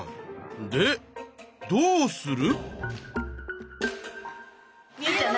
でどうする？